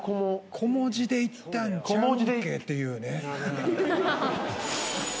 小文字でいったんちゃうんけっていうね。